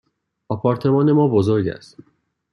آپارتمان ما بزرگ است.